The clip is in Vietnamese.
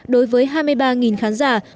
đối với hai mươi ba khán giả